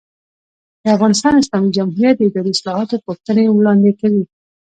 د افغانستان اسلامي جمهوریت د اداري اصلاحاتو پوښتنې وړاندې کوي.